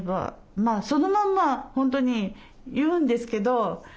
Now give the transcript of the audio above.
まあそのまんま本当に言うんですけど。